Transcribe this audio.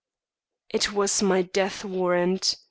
It was my death warrant.